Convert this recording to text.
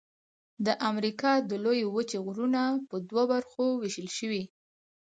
د امریکا د لویې وچې غرونه په دوو برخو ویشل شوي.